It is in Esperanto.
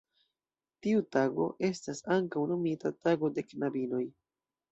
Tiu tago estas ankaŭ nomita "tago de knabinoj".